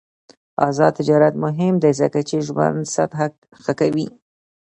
آزاد تجارت مهم دی ځکه چې ژوند سطح ښه کوي.